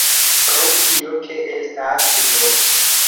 Pro tio ke estas "n!